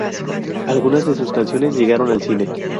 Algunas de sus canciones llegaron al cine.